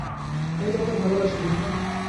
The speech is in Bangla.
আমি তোমাকে ভালোবাসি, রিকা।